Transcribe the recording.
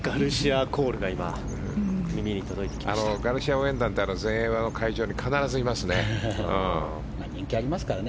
応援団って全英の会場に必ずいますね。